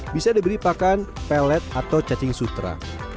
bisa diberi pakan pelet atau cacing sutra